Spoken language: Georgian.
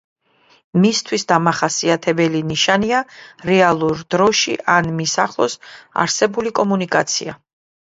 მისთვის დამახასიათებელი ნიშანია რეალურ დროში ან მის ახლოს არსებული კომუნიკაცია.